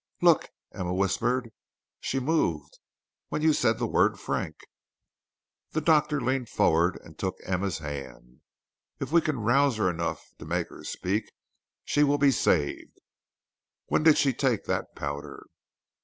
"Look!" Emma whispered; "she moved, when you said the word Frank." The Doctor leaned forward and took Emma's hand. "If we can rouse her enough to make her speak, she will be saved. When did she take that powder?"